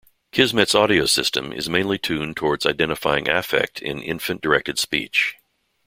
Kismet's audio system is mainly tuned towards identifying affect in infant-directed speech.